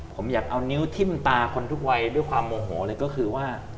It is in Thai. ผมอยากเอานิ้วทิ้มตาคนทุกวัยด้วยความโมโหเลยก็คือว่า